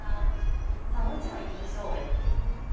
もう１枚いきましょう。